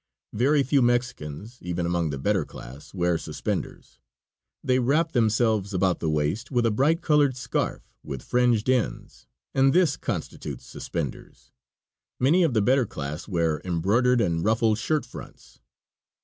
Very few Mexicans, even among the better class, wear suspenders. They wrap themselves about the waist with a bright colored scarf, with fringed ends, and this constitutes suspenders. Many of the better class wear embroidered and ruffled shirt fronts.